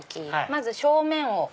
まず正面を。